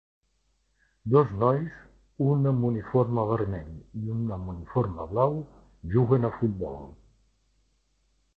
Dos nois, un amb uniforme vermell i un amb uniforme blau, juguen a futbol.